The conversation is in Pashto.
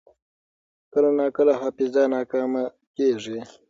کله ناکله حافظه ناکامه کېږي.